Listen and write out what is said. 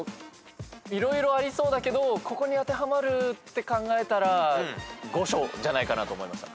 色々ありそうだけどここに当てはまるって考えたら御所じゃないかなと思いました。